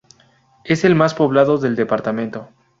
Es el más poblado del departamento.